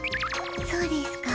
そうですか。